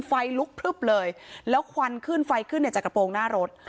ไฟลุกพลึบเลยแล้วควันขึ้นไฟขึ้นจากกระโปรงหน้ารถ